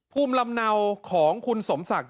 ภูมิลำเนาของคุณสมศักดิ